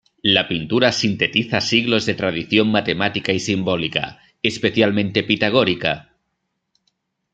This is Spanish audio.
La pintura sintetiza siglos de tradición matemática y simbólica, especialmente pitagórica.